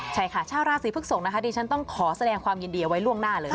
ใช่ค่ะชาวราศีพฤกษกนะคะดิฉันต้องขอแสดงความยินดีเอาไว้ล่วงหน้าเลย